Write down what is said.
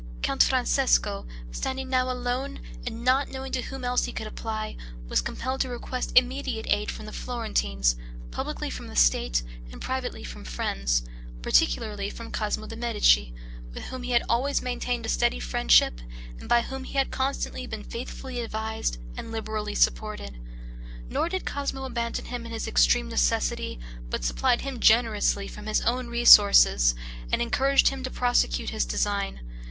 Count Francesco, standing now alone, and not knowing to whom else he could apply, was compelled to request immediate aid of the Florentines, publicly from the state, and privately from friends, particularly from Cosmo de' Medici, with whom he had always maintained a steady friendship, and by whom he had constantly been faithfully advised and liberally supported. Nor did Cosmo abandon him in his extreme necessity, but supplied him generously from his own resources, and encouraged him to prosecute his design.